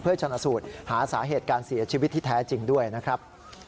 ชนะสูตรหาสาเหตุการเสียชีวิตที่แท้จริงด้วยนะครับ